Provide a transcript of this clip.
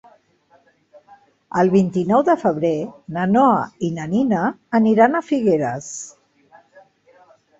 El vint-i-nou de febrer na Noa i na Nina aniran a Figueres.